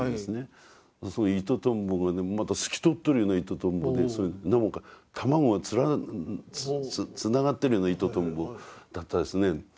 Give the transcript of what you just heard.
そのイトトンボがねまた透き通ってるようなイトトンボで卵がつながってるようなイトトンボだったですね。